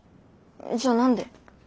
じゃ何で？